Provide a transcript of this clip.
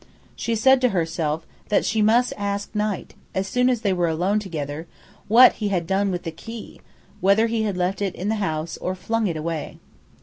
She said to herself that she must ask Knight, as soon as they were alone together, what he had done with the key, whether he had left it in the house or flung it away.